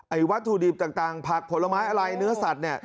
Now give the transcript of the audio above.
วัตถุดิบต่างผักผลไม้อะไรเนื้อสัตว์เนี่ย